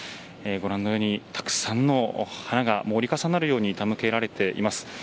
ご覧のようにたくさんの花が折り重なるように手向けられています。